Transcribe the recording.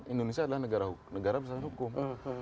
indonesia adalah negara berdasarkan hukum